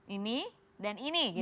ini dan ini gitu